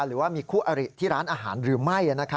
หรือว่ามีคู่อริที่ร้านอาหารหรือไม่